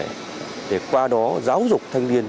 để qua đó giáo dục thanh niên về tổ chức giáo dục thanh niên